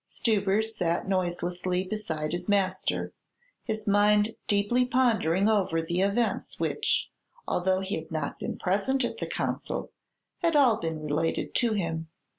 Stubber sat noiselessly beside his master, his mind deeply pondering over the events which, although he had not been present at the Council, had all been related to him.